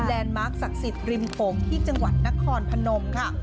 แลนด์มาร์คศักดิ์ศิษย์ริมฟงศ์ที่จังหวัดนครพนมค่ะ